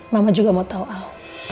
mama juga mau tahu al